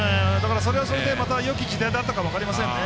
それはそれでよき時代だったかも分かりませんね。